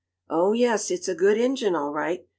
"Oh, yes, it's a good engine, all right."